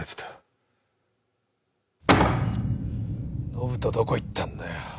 延人どこ行ったんだよ？